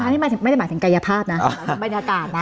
ปะทะนี่ไม่ได้หมายถึงกายภาพนะเป็นบรรยากาศนะ